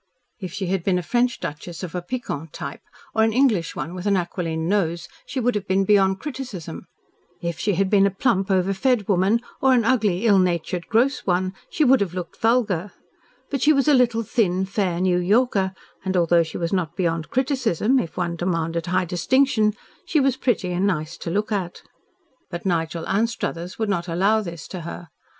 If she had been a French duchess of a piquant type, or an English one with an aquiline nose, she would have been beyond criticism; if she had been a plump, over fed woman, or an ugly, ill natured, gross one, she would have looked vulgar, but she was a little, thin, fair New Yorker, and though she was not beyond criticism if one demanded high distinction she was pretty and nice to look at. But Nigel Anstruthers would not allow this to her.